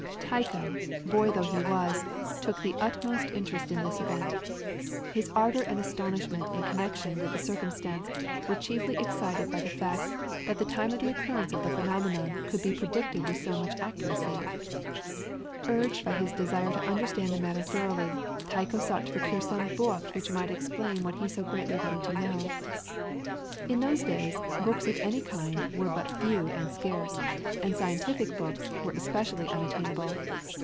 Tycho, boy though he was, took the utmost interest in this event. His ardour and astonishment in connection with the circumstance were chiefly excited by the fact that the time of the occurrence of the phenomenon could be predicted with so much accuracy. Urged by his desire to understand the matter thoroughly, Tycho sought to procure some book which might explain what he so greatly wanted to know. In those days books of any kind were but few and scarce, and scientific books were especially unattainable.